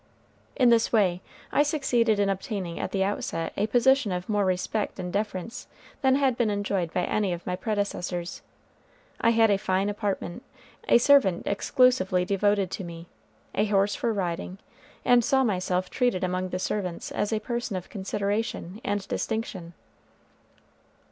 In this way I succeeded in obtaining at the outset a position of more respect and deference than had been enjoyed by any of my predecessors. I had a fine apartment, a servant exclusively devoted to me, a horse for riding, and saw myself treated among the servants as a person of consideration and distinction.